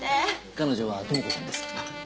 彼女は朋子ちゃんです。